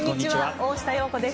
大下容子です。